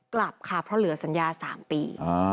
กลับค่ะเพราะเหลือสัญญา๓ปี